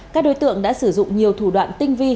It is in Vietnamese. các đối tượng đã sử dụng nhiều thủ đoạn tinh vi